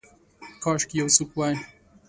کاشکي یو څوک وی